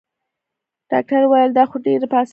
ډاکټر وويل تا خو دا ډېر په اسانه وويل.